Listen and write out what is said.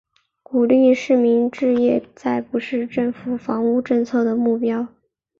鼓励市民置业再不是政府房屋政策的目标。